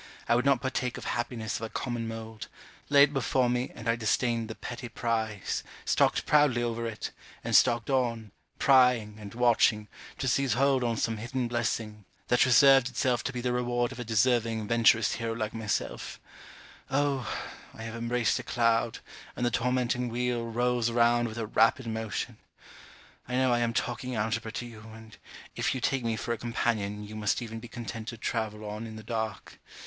I would not partake of happiness of a common mould; lay it before me, and I disdained the petty prize, stalked proudly over it, and stalked on, prying, and watching, to seize hold on some hidden blessing, that reserved itself to be the reward of a deserving venturous hero like myself Oh! I have embraced a cloud, and the tormenting wheel rolls round with a rapid motion! I know I am talking algebra to you, and if you take me for a companion, you must even be content to travel on in the dark.